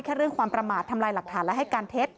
เรื่องความประมาททำลายหลักฐานและให้การเท็จ